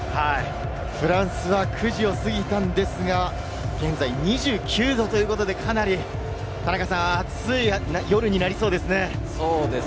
フランスは９時を過ぎたんですが、現在２９度ということでかなり、田中さん、暑い夜になりそうですね。